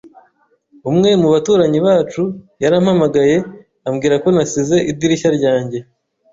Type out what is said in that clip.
Umwe mu baturanyi bacu yarampamagaye ambwira ko nasize idirishya ryanjye.